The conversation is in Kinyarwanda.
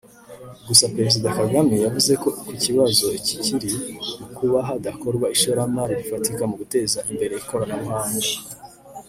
Gusa Perezida Kagame yavuze ko ikibazo kikiri mu kuba hadakorwa ishoramari rifatika mu guteza imbere ikoranabuhanga